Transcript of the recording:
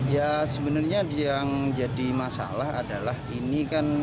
ya sebenarnya yang jadi masalah adalah ini kan